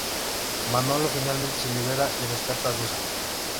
Manolo finalmente se libera y rescata a Susan.